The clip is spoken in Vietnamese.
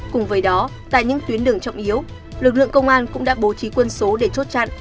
cùng với đó tại những tuyến đường trọng yếu lực lượng công an cũng đã bố trí quân số để chốt chặn